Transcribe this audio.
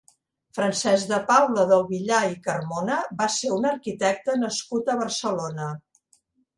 Francesc de Paula del Villar i Carmona va ser un arquitecte nascut a Barcelona.